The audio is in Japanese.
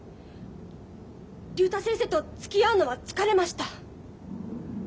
竜太先生とつきあうのは疲れました。